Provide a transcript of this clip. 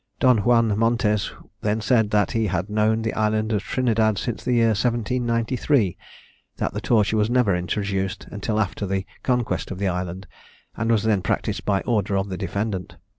Don Juan Montes then said that he had known the island of Trinidad since the year 1793. That the torture was never introduced until after the conquest of the island, and was then practised by order of the defendant.